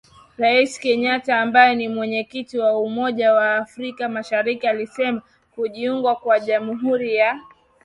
Rais Kenyatta ambaye ni Mwenyekiti wa umoja wa afrika mashariki alisema kujiunga kwa Jamuhuri ya Demokrasia ya Kongo